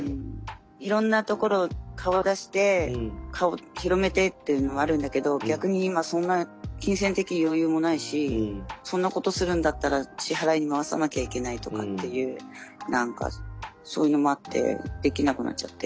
いろんなところ顔出して顔広めてというのもあるんだけど逆に今そんな金銭的余裕もないしそんなことするんだったら支払いに回さなきゃいけないとかっていう何かそういうのもあってできなくなっちゃって。